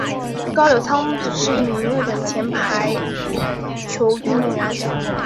高柳昌子是一名日本前排球运动员。